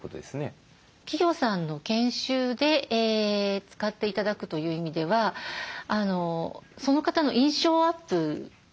企業さんの研修で使って頂くという意味ではその方の印象アップですね。